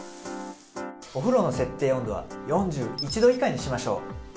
お風呂の設定温度は４１度以下にしましょう。